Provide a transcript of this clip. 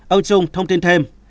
ông trung thông tin thêm